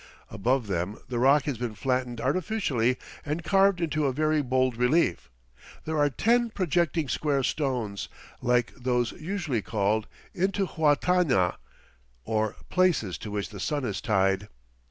Above them the rock has been flattened artificially and carved into a very bold relief. There are ten projecting square stones, like those usually called intihuatana or "places to which the sun is tied."